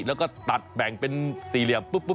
แล้วก็ตัดแบ่งเป็นสี่เหลี่ยมปุ๊บ